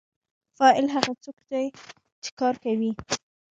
فاعل هغه څوک دی چې کار کوي.